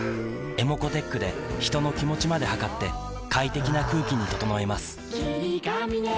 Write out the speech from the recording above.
ｅｍｏｃｏーｔｅｃｈで人の気持ちまで測って快適な空気に整えます